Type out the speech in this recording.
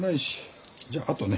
じゃああとね